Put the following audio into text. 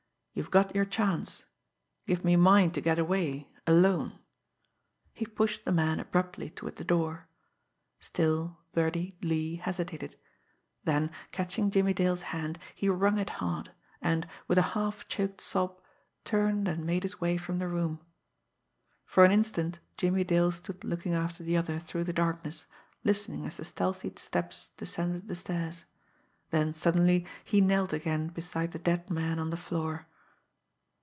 You've got your chance; give me mine to get away alone." He pushed the man abruptly toward the door. Still Birdie Lee hesitated; then catching Jimmie Dale's hand, he wrung it hard and, with a half choked sob, turned and made his way from the room. For an instant Jimmie Dale stood looking after the other through the darkness, listening as the stealthy steps descended the stairs then suddenly he knelt again beside the dead man on the floor.